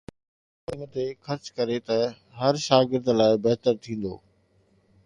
حڪومت تعليم تي خرچ ڪري ته هر شاگرد لاءِ بهتر ٿيندو